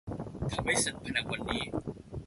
ทำให้เสร็จภายในวันนี้